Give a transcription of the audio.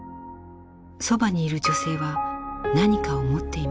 そばにいる女性は何かを持っています。